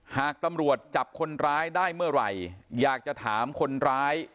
หากตำรวจจับคนร้ายได้เมื่อไหร่อยากจะถามคนร้าย